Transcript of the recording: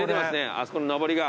あそこにのぼりが。